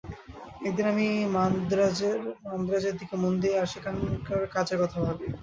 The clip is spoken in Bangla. একদিন আমি মান্দ্রাজের দিকে মন দিই, আর সেখানকার কাজের কথা ভাবি।